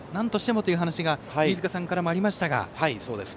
６点目はなんとしてもという話が飯塚さんからもありました。